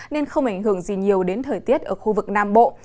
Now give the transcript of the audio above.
nên không ảnh hưởng gì nhiều đến thời tiết ở khu vực nam bộ